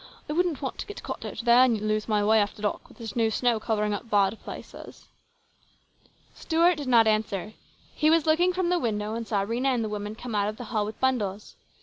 I wouldn't want to get caught out there and lose my way after dark with this new snow covering up bad places." Stuart did not answer. He was looking from the window and saw Rhena and the woman come out of the hall with bundles.